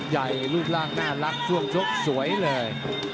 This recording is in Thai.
รูปร่างน่ารักช่วงชกสวยเลย